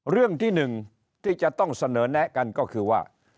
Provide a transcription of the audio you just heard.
เรื่องที่๑ที่จะต้องเสนอแนะกันก็คือว่า